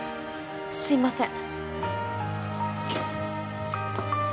すいません